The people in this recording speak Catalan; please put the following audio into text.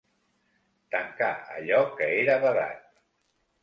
Tancar allò que era badat.